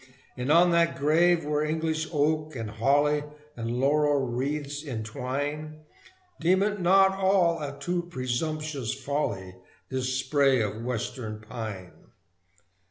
And on that grave where English oak, and holly, And laurel wreaths entwine, Deem it not all a too presumptuous folly, This spray of Western pine!